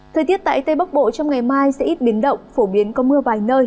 thời tiết tại tây bắc bộ trong ngày mai sẽ ít biến động phổ biến có mưa vài nơi